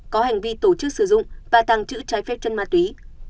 có hành vi tổ chức sử dụng và tàng trữ trái phép chân ma túy